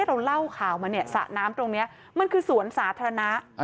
เราเล่าข่าวมาเนี่ยสระน้ำตรงนี้มันคือสวนสาธารณะ